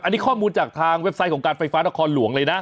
อันนี้ข้อมูลจากทางเว็บไซต์ของการไฟฟ้านครหลวงเลยนะ